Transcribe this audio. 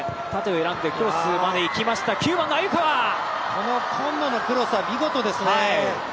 この今野のクロスは見事ですね。